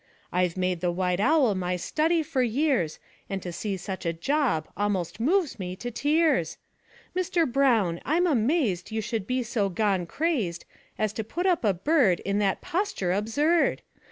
I've made the white owl my study for years, And to see such a job almost moves me to tears! Mr. Brown, I'm amazed You should be so gone crazed As to put up a bird In that posture absurd!